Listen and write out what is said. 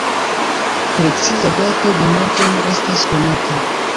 Preciza dato de morto ne estas konata.